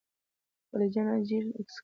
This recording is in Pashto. خلجیان اجیر عسکر ول.